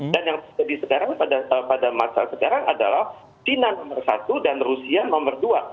dan yang terjadi sekarang pada masa sekarang adalah china nomor satu dan rusia nomor dua